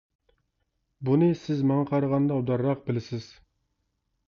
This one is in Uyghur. بۇنى سىز ماڭا قارىغاندا ئوبدانراق بىلىسىز.